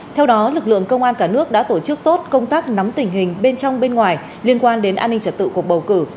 theo đó lực lượng công an cả nước đã tổ chức tốt công tác nắm tình hình bên trong bên ngoài liên quan đến an ninh trật tự cuộc bầu cử